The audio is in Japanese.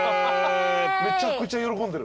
めちゃくちゃ喜んでる。